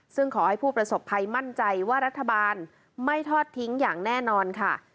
ซึ่งขอให้ผู้ประสบภัยมั่นใจว่ารัฐบาลไม่ทอดทิ้งอย่างแน่นอนค่ะ